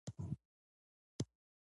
که تشویق وي نو ذهن نه مړاوی کیږي.